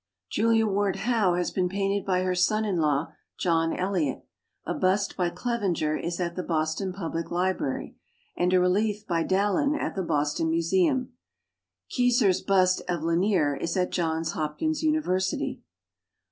Julia Ward Howe has been painted by her son in law John Elliott. A bust by Clevenger is at the Boston Public Library, and a relief by Dallin at the Boston Museum. Eey ser's bust of Lanier is at Johns Hop kins University.